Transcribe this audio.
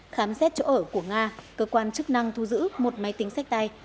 khám xét chỗ ở của nga cơ quan chức năng thu giữ một máy tính sách tay